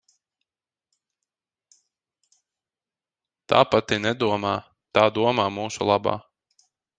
Tā pati nedomā, tā domā mūsu labā.